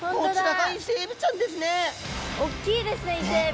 おっきいですねイセエビ。